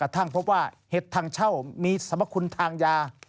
ทางเช่ามีสมคคลทางยา